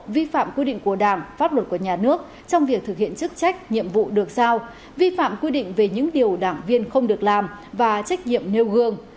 vi phạm quy định của đảng pháp luật của nhà nước trong việc thực hiện chức trách nhiệm vụ được sao vi phạm quy định về những điều đảng viên không được làm và trách nhiệm nêu gương